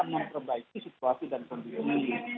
memperbaiki situasi dan pendidikan